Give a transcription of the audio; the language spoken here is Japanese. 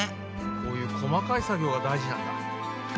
こういう細かい作業が大事なんだ。